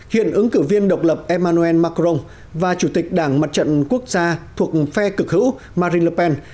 hiện ứng cử viên độc lập emmanuel macron và chủ tịch đảng mặt trận quốc gia thuộc phe cực hữu marine le pen